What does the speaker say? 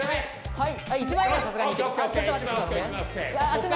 はい。